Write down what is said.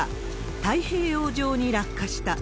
太平洋上に落下した。